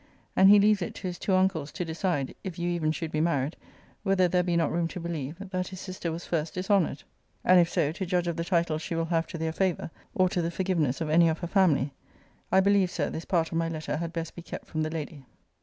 And he leaves it to his two uncles to decide, if you even should be married, whether there be not room to believe, that his sister was first dishonoured; and if so, to judge of the title she will have to their favour, or to the forgiveness of any of her family. I believe, Sir, this part of my letter had best be kept from the lady.